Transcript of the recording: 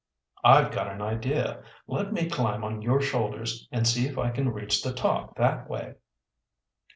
"I've got an idea. Let me climb on your shoulders and see if I can reach the top that way."